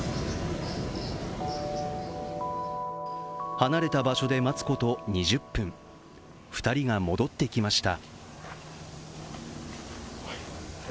離れた場所で待つこと２０分、２人が戻ってきました。